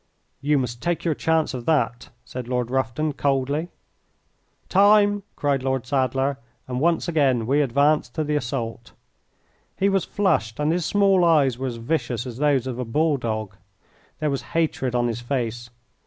"You must take your chance of that," said Lord Rufton, coldly. "Time!" cried Lord Sadler, and once again we advanced to the assault. He was flushed, and his small eyes were as vicious as those of a bull dog. There was hatred on his face.